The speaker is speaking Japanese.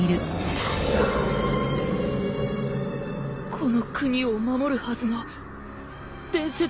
この国を守るはずの伝説の侍魔人が。